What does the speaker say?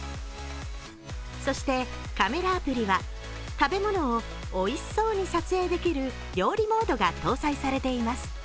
そしてカメラアプリは食べ物をおいしそうに撮影できる料理モードが搭載されています。